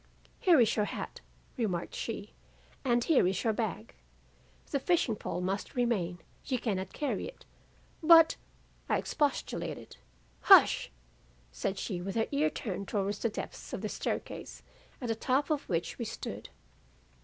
"'Here is your hat,' remarked she, 'and here is your bag. The fishing pole must remain, you cannot carry it.' "'But, ' I expostulated. "'Hush!' said she with her ear turned towards the depths of the staircase at the top of which we stood.